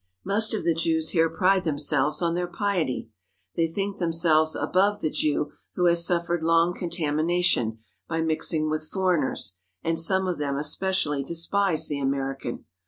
Most of the Jews here pride themselves on their piety. They think themselves above the Jew who has suffered long contamination by mixing with foreigners, and some of them especially despise the American.